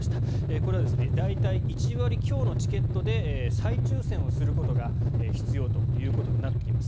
これは大体、１割強のチケットで再抽選することが必要ということになってきます。